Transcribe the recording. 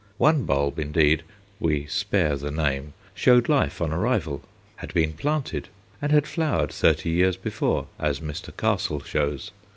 One bulb, indeed we spare the name showed life on arrival, had been planted, and had flowered thirty years before, as Mr. Castle shows.